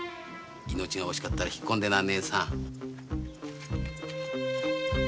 命が惜しかったら引っ込んでな。